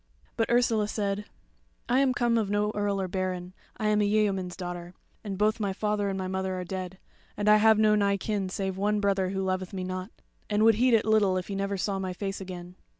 But Ursula said: "I am come of no earl or baron. I am a yeoman's daughter, and both my father and my mother are dead, and I have no nigh kin save one brother who loveth me not, and would heed it little if he never saw my face again.